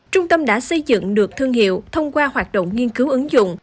trung tâm đã xây dựng được thương hiệu thông qua hoạt động nghiên cứu ứng dụng